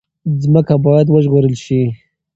ځمکه باید وژغورل شي.